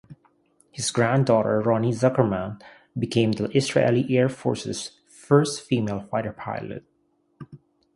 His granddaughter Roni Zuckerman became the Israeli Air Force's first female fighter pilot.